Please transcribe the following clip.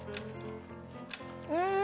うん！